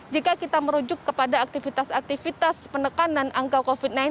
jika kita merujuk kepada aktivitas aktivitas penekanan angka covid sembilan belas